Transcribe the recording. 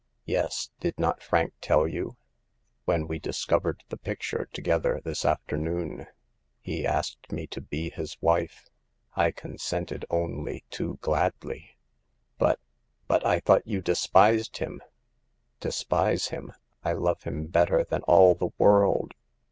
" Yes. Did not Frank tell you ? When we discovered the picture together this afternoon, The Fifth Customer. 153 he asked me to be his wife. I consented only too gladly." But — ^but I thought you despised him !"Despise him? I love him better than all the world